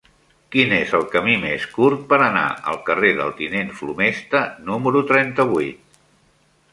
Quin és el camí més curt per anar al carrer del Tinent Flomesta número trenta-vuit?